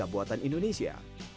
dan juga buatan indonesia